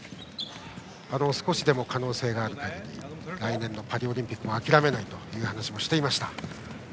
少しでも可能性がある限り来年のパリオリンピックも諦めないと言っていました。